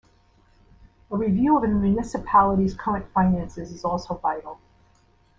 A review of the municipality's current finances is also vital.